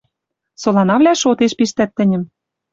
Соланавлӓ шотеш пиштӓт тӹньӹм